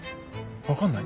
分かんない？